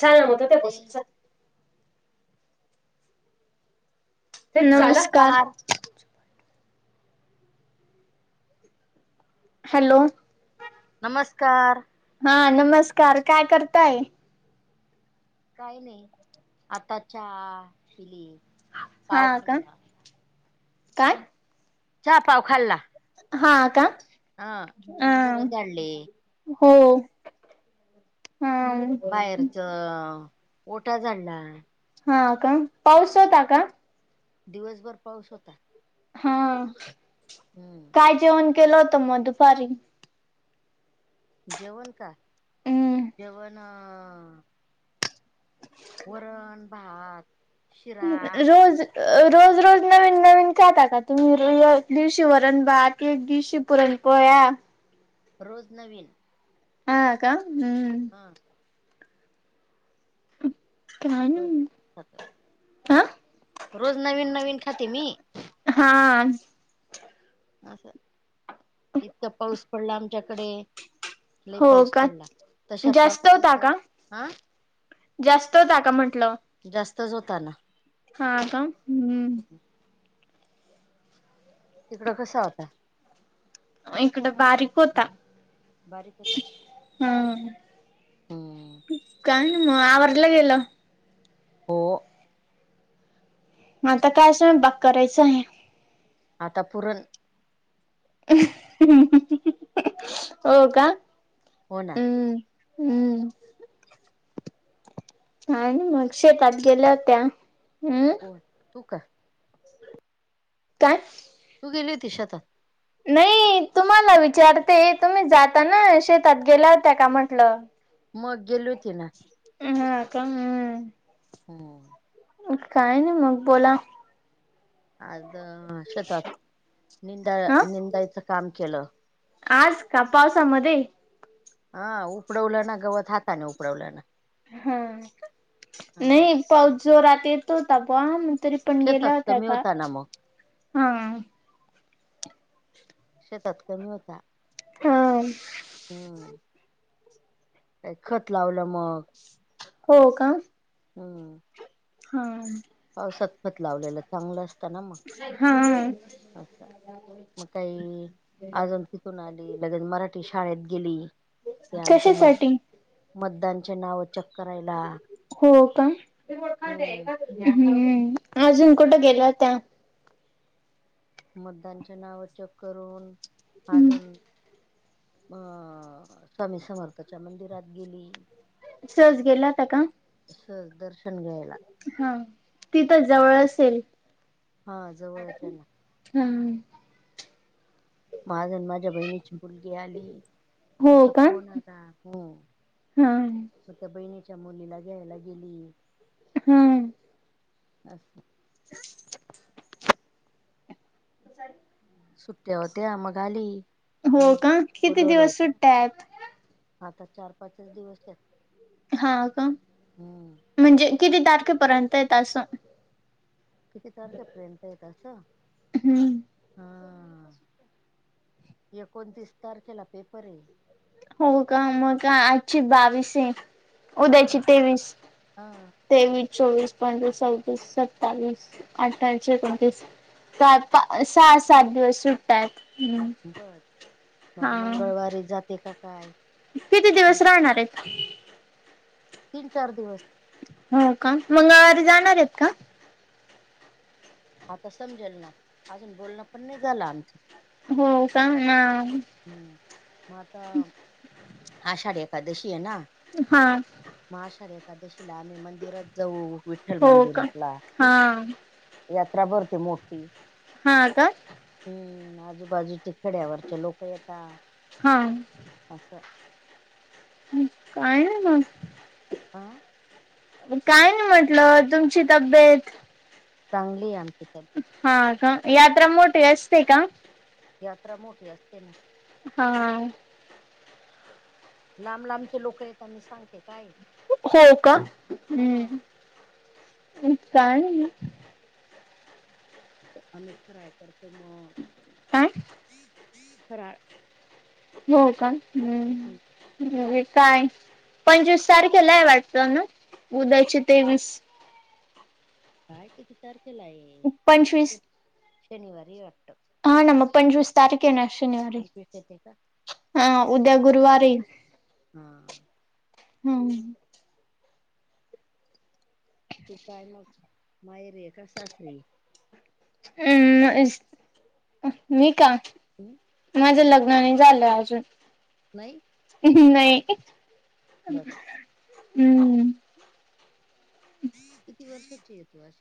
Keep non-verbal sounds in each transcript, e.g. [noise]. छान नाम होतं त्या ते गोष्टीचं. ते नमस्कार हॅलो! नमस्कार. हा नमस्कार, काय करताय? काही नाही, आता चहा पिले. हा का,, काय? च्या पाव खाल्ला. हा का, हा घर आंऽ झाडले हो हा. बाहेरचं, ओटा झाडला. हा का,, पाऊस होता का? दिवसभर पाऊस होता. हां. हम्म. काय जेवण केलं होतं मग दुपारी? जेवण काय? हम्म जेवण अं वरण भात. शिरा रोज अं रोज रोज नवीन नवीन काय खाता तुम्ही? अं एक दिवशी वरण भात एक दिवशी पुरण पोळ्या. रोज नवीन. हा का? हम्म. हां. काय रोज खातो नाय आ. रोज नवीन नवीन खाते मी. हां. असं इतका पाऊस पडला आमच्याकडे. लय हो पाऊस का पडला तशा जास्त होता पाऊसातच का हा. जास्त होता का म्हंटलं? जास्तच होता ना. हा का? हम्म. तिकडं कसा होता? म इकडं बारीक होता. बारीक होता हा हम्म काय नाही मग आवरल गेलं. हो. आता काय स्वयंपाक करायचाय. आता पुरण हो का? हो ना. हम्म हम्म. काय नायी मग शेतात गेल्या होत्या हम्म होय तू का? काय? तू गेली होती शेतात. नाई तुम्हाला विचारते तुम्ही जाताना शेतात गेल्या होत्या का म्हटलं. मग गेली होती ना. हं हं का? हम्म. हम्म. काय नाय मग बोला. आज अं शेतात निंदा हा निंदायचं काम केलं. आज का पावसामध्ये? हा उपडवलं ना गवत हातने उपडवलं ना. हां हा न्हाई पाऊस जोरात येत होता प म तरी आपण गेला शेतात होता कमी का? ना मग हा. शेतात कमी होता. हां. हम्म. ते खत लावल्यामुळं. हो का? हम्म. हां. पावसात खत लावलेलं चांगलं असताना मग. [unintelligible] हा. असतं. मग काही, अजून तिकून आली, लगेच मराठी शाळेत गेली. ते आमच्या मत कशासाठी? मतदानचे नाव चेक करायला. हो का? अं हम अजून कुठे गेल्या होत्या? मतदान चे नाव चेक करून हम्म अजून अ स्वामी समर्थाच्या मंदिरात गेली. सहज गेल्या होत्या का? सहज दर्शन घ्यायला. हां ती तर जवळ असेल? हा जवळच येना. हम्म. माझ न माझ्या बहिणीची मुलगी आली. हो तिचा का फोन आला. हा मग त्या बहिणीच्या मुलीला घ्यायला गेली. हम्म. असं. [inaudible] [unintelligible] सुट्ट्या होत्या मग आली. हो मी का, किती बोलवलं दिवस होत सुट्ट्या आहेत? आता चार पाचच दिवस आहेत. हा का, म्हणजे किती तारखेपर्यंत आहेत? असं. किती तारखेपर्यंत आहेत असं? हम्म हां. एकोणतीस तारखेला पेपर हे. हो का आजची बावीसी, उद्याची हा तेवीस. हा तेवीस, चोवीस, पंचवीस, सव्वीस, सत्तावीस, अठ्ठाअंशी, एकोणतीस पा सहा, सात दिवस सु ट्या आहेत. बर मग हा मंगळवारी जाते की काय? किती मग दिवस राहणार आहेत? तीन, चार दिवस. हो का? मंगळवारी जाणारे हेत का? आता समजेल ना, अजून बोलणं पण नाही झालं आमचं. हो का? ना हम्म, मंग आता आषाढ एकादशी अहे ना? हां. मग आषाढ एकादशीला आम्ही मंदिरात जाऊ विठ्ठल हो का मंदिरला. हा यात्रा भरते मोठी. हा का? हम्म आजूबाजूच्या खड्यावरचे लोक येता हा असं हम काय नाय मग. आं? काय नाही म्हटलं तुमची तब्येत चांगली आहे तब्येत हा का यात्रा मोठी असते का यात्रा मोठी असते ना हा लांब, लांबचे लोक येत मी सांगते काय हो का ह हम काय आम्ही फराळ करतो मग काय? फराळ हो का हं, हम्म काय पंचवीस सारखेलाय वाटत ना उद्याची तेवीस काय किती तारखेला आहे पंचवीस शनिवारी ये वाटतं हा ना मग पंचवीस तारखे ना शनिवारी पंचवीस येते का? हा उद्या गुरुवारी हां हम तू काय मग माहेरी का सासरी आहे हम् मी का ह माझं लग्न नाही झालं अजून नाही नाही बघ हम्म किती वर्षाचीय तवा अस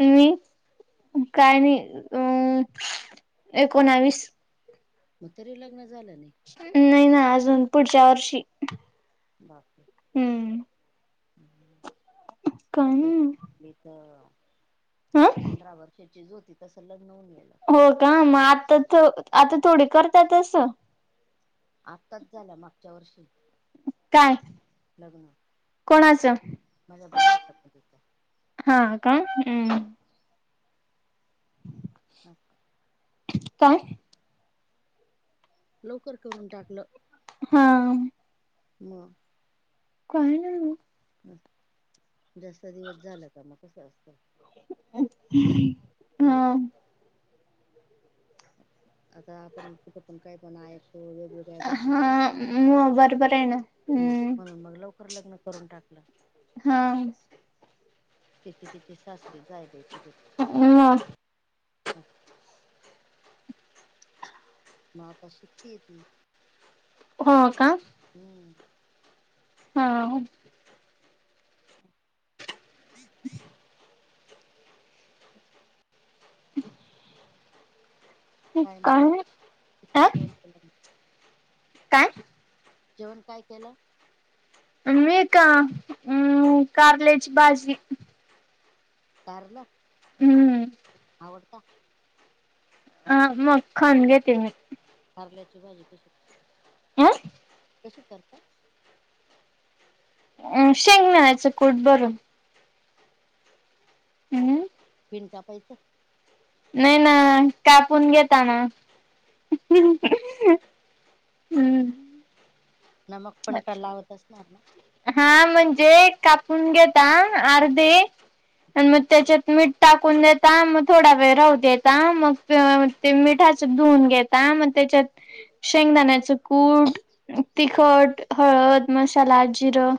मी काय नाही अ एकोणावीस मग तरी लग्न झालं नाही नाही ना अजून पुढच्या वर्षी बाकी हम्म [unintelligible] का हं आठरा वर्ष होती तसं लग्न होऊन गेलं हो का मग आता, आता थोडी करतातस आत्ताच झाल मागच्या वर्षी काय लग्न कोणाचं माझ्या बहिणीच हा का हम्म [unintelligible] काय लवकर करून टाकलं हा म काय नाही जास्त दिवस झाल का मग कसं असतं हा मग आता आपण कुठून पण काय पण ऐक हा म बरोबर आहे ना मग हम्म म्हणून मग लवकर लग्न करून टाकलं हा तिचे तिची सासरेच जाय बाय तेज्यात अं आ मग आता शिकतीय ती. हो, का. हम्म. हा. [inaudible] [unintelligible] तु काय जेवण अ केलं मग? काय? जेवण काय केलं? मी का अं कारल्याची भाजी. कारल. हम्म. आवडत? हा मग खाऊन घेते मी. कारल्याची भाजी कशी... आं. कशी करता? अं शेंगदाण्याचं कूट भरून. अं बीन कापायचा. नाय ना कापून घेताना. हम्म. नमक पण तर लावत असणार ना? हा म्हणजे कापून घेता अर्धे. आणि मग त्याच्यात मीठ टाकून देता मग थोडा वेळ राहू देता मग ते मिठाच धुवून घेता मग त्याच्यात शेंगदाण्याचं कूट तिखट, हळद, मसाला जिरं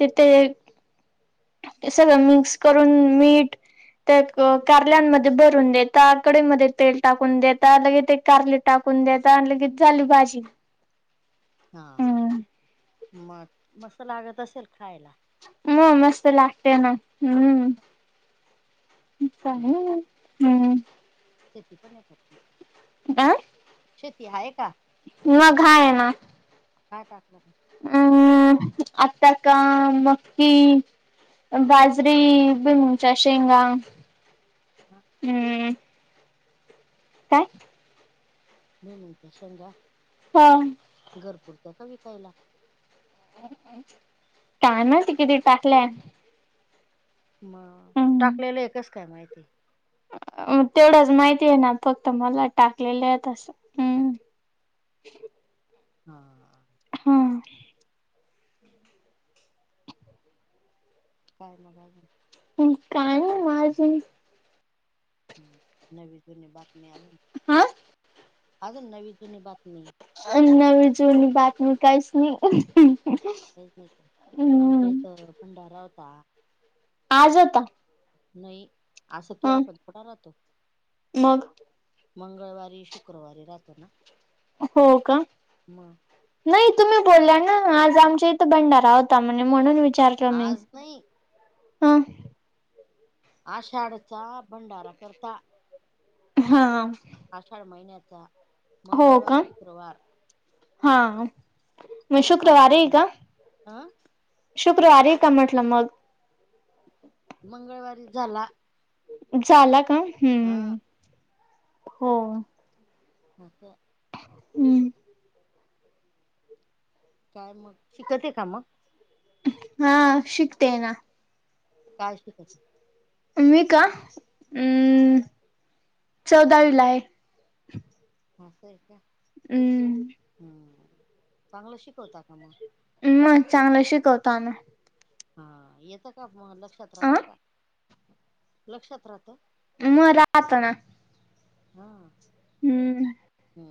तेथे ते सगळं मिक्स करून मीठ त्यात कारल्यामध्ये भरून देता कडईमध्ये तेल टाकून देता लगे ते कारले टाकून देता लगेच झाली भाजी. हा, हा हम्म मग मस्त लागत असेल खायला? म मस्त लागते ना हम्म, हं. [unintelligible] हम्म. शेती पण आहे का तुमची? आय शेती हाय का? मग हाय ना. काय टाकलं मग? अम् आता का मक्की. बाजरी, भुईमुगच्या शेंगा. हा. हम्म काय? भुईमुगच्या शेंगा. हा. घरपुरत का विकायला? काय माहिती किती टाकल्यात? म् टाकलेल्या हे कस काय माहिती? म तेवढ्याच माहिती ये ना, फक्त मला टाकलेले आहेत असं हम्. हा, हा. हां. काय मग अजून? काय नाही माझी ह नवी जुनी बातमी अजून, हा अजून नवी जुनी बातमी अ नवी जूनी बातमी काहीच नाही [inaudible] काहीच नाही. आमच्या हम्म इथ भंडारा होता. आज होता? नाही. असं केव्हा ह [inaudible] मग. मंगळवारी, शुक्रवारी राहतो ना हो का! मग नाही तुम्ही बोलला ना? आज आमच्या इथं भंडारा होता म्हने, म्हणून विचारलं मी आज नाही हा. आषाढचा भंडारा करता हा. आषाढ महिन्याचा हो मंगळवार, का? शुक्रवार हा हा मग असं शुक्रवारी सांगते आहे मी का? अं शुक्रवारी का म्हटलं मग? मंगळवारीच झाला. झाला का? हा हूम् हो मग काय? हुं. काय मग? शिकत ये का मग? हा शिकतेय ना. काय शिकत? मी का? अम् चौदावीला ये. आस हाय का? ऊं. हुम्म, चांगलं शिकवता का मग? म चांगलं शिकवतो आमी? हा येतं का मग? लक्षात अ राहतं का? लक्षात राहतं. म राहत ना. हा. हुं. हा.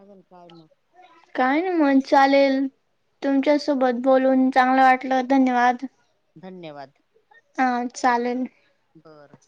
अजून काय म? काय नाई मग चालेल, तुमच्या सोबत बोलून चांगलं वाटलं. धन्यवाद! धन्यवाद! हा चालेल. बरं.